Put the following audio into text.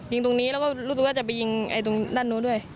ยิงตรงนี้แล้วก็ลูกตัวก็จะไปยิงไอ้ตรงด้านนู้นด้วย